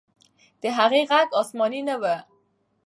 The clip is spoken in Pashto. د هغې ږغ آسماني نه و.